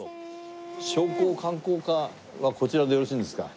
商工観光課はこちらでよろしいんですか？